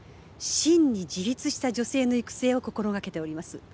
真に自立した女性の育成を心がけております。